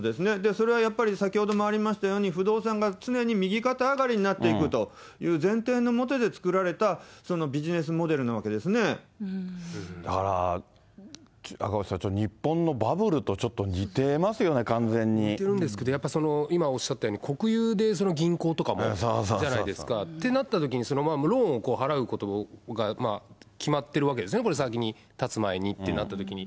それはやっぱり、先ほどもありましたように、不動産が常に右肩上がりになっていくという前提のもとで作られただから赤星さん、日本のバブルとちょっと似ていますよね、完全に。似てるんですけれども、今おっしゃったように、国有で銀行とかもじゃないですか。ってなったときに、そのままローンを払うことが決まってるわけですね、これ、先に、建つ前にってなったときに。